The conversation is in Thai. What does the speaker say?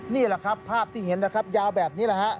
นี่แหละครับภาพที่เห็นนะครับยาวแบบนี้แหละฮะ